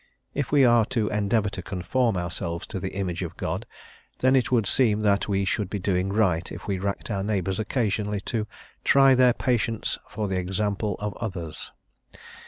If we are to endeavour to conform ourselves to the image of God, then it would seem that we should be doing right if we racked our neighbours occasionally to "try their patience for the example of others."